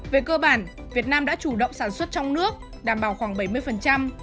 về cơ bản việt nam đã chủ động sản xuất trong nước